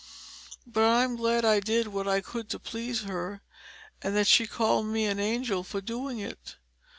But I'm glad I did what I could to please her, and that she called me an angel for doing it.